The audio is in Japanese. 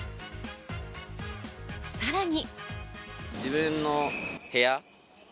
さらに。